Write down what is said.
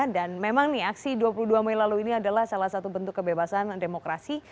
dan memang nih aksi dua puluh dua mei lalu ini adalah salah satu bentuk kebebasan demokrasi